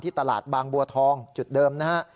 ตลาดบางบัวทองจุดเดิมนะฮะ